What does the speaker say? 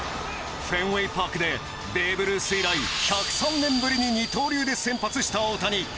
フェンウェイパークでベーブ・ルース以来１０３年ぶりに二刀流で先発した大谷。